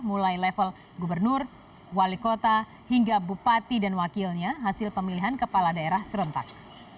mulai level gubernur wali kota hingga bupati dan wakilnya hasil pemilihan kepala daerah serentak